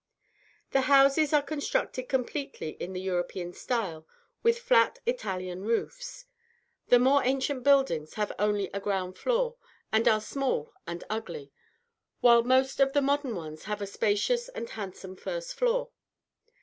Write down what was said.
The houses are constructed completely in the European style, with flat Italian roofs. The more ancient buildings have only a ground floor, and are small and ugly, while most of the modern ones have a spacious and handsome first floor.